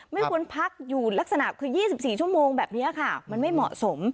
ไม่ควรพักอยู่ลักษณะคือ๒๔ชั่วโมงแบบนี้ค่ะมันไม่เหมาะสม